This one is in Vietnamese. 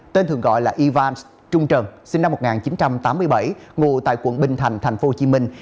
tên thường gọi là ivans trung trần sinh năm một nghìn chín trăm tám mươi bảy ngụ tại quận bình thành thành phố hồ chí minh